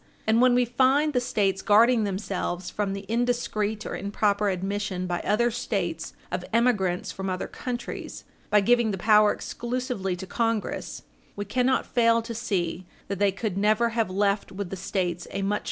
And when we find the States guarding themselves from the indiscreet or improper admission by other States of emigrants from other countries by giving the power exclusively to Congress, we cannot fail to see that they could never have left with the States a much Page 60 U.